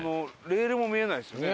レールも見えないですよね。